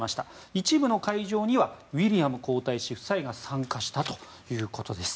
一部の会場にはウィリアム皇太子夫妻が参加したということです。